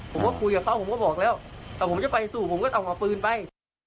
ผมก็คุยกับเขาผมก็บอกแล้วแต่ผมจะไปสู้ผมก็ต้องเอาปืนไป